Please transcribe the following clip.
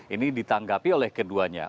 ini ditanggapi oleh keduanya